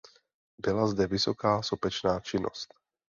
Byla zde vysoká sopečná činnost.